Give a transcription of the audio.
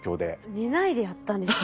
寝ないでやったんでしょうね。